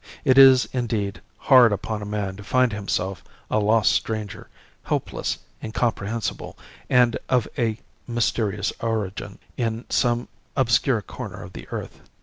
It is indeed hard upon a man to find himself a lost stranger, helpless, incomprehensible, and of a mysterious origin, in some obscure corner of the earth.